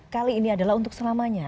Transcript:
kali ini adalah untuk selamanya